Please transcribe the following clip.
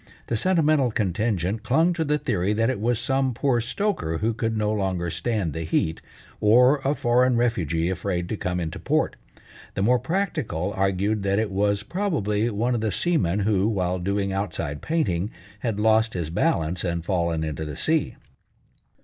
The sentimental contingent clung to the theory that it was some poor stoker who could no longer stand the heat, or a foreign refugee afraid to come into port. The more practical argued that it was probably one of the seamen who, while doing outside painting, had lost his balance and fallen into the sea.